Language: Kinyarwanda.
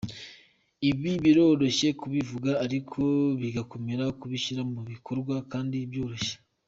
Ibi biroroshye kubivuga ariko bigakomera kubishyira mu bikorwa kandi byoroshye.